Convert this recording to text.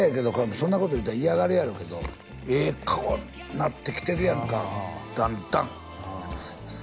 そんなこと言うたら嫌がるやろけどええ顔なってきてるやんかだんだんありがとうございます